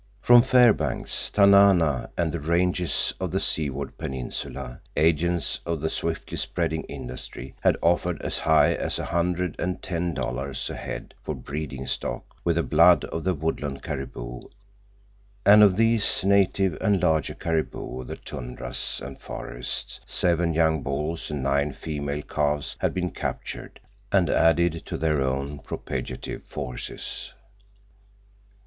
From Fairbanks, Tanana, and the ranges of the Seward Peninsula agents of the swiftly spreading industry had offered as high as a hundred and ten dollars a head for breeding stock with the blood of the woodland caribou, and of these native and larger caribou of the tundras and forests seven young bulls and nine female calves had been captured and added to their own propagative forces.